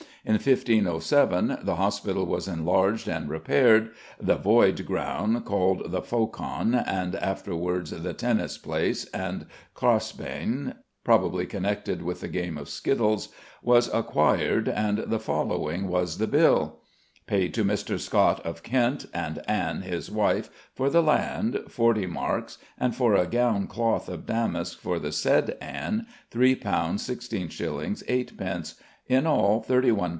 In 1507 the hospital was enlarged and repaired, "the void ground," called the "Faucon," and afterwards the "Tenys Place" and "Closshbane" (probably connected with the game of skittles), was acquired, and the following was the bill: "Paid to Mr. Scott of Kent, and Ann, his wife, for the land forty marks, and for a gown cloth of damask for the said Ann £3 16s. 8d. in all £31 13s.